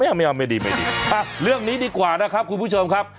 ไม่เอาไม่ดีไม่ดีเรื่องนี้ดีกว่านะครับคุณผู้ชมครับ